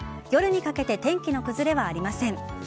夜にかけて天気の崩れはありません。